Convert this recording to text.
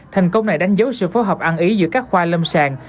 thành công này đánh dấu sự phối hợp ăn ý giữa các khoa lâm sàng